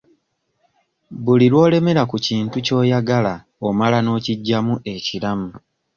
Buli lw'olemera ku kintu ky'oyagala omala n'okiggyamu ekiramu.